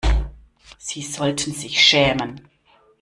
Sie sollten sich schämen!